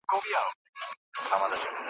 په کوهي کي لاندي څه کړې بې وطنه `